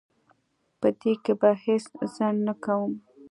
په دې کې به هیڅ ځنډ نه کوم.